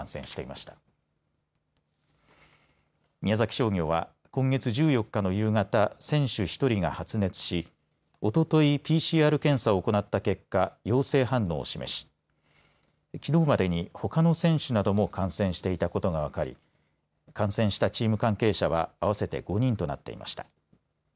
商業は今月１４日の夕方、選手１人が発熱し、おとといＰＣＲ検査を行った結果、陽性反応を示しきのうまでに、ほかの選手なども感染していたことが分かり感染したチーム関係者は合わせて５人となっていました。